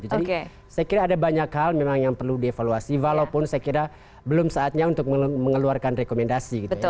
jadi saya kira ada banyak hal memang yang perlu dievaluasi walaupun saya kira belum saatnya untuk mengeluarkan rekomendasi gitu ya